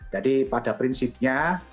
jadi pada prinsipnya